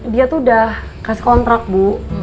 dia tuh udah kasih kontrak bu